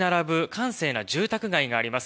閑静な住宅街あります。